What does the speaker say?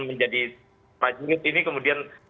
menjadi prajurit ini kemudian